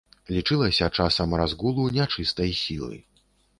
Лічылася часам разгулу нячыстай сілы.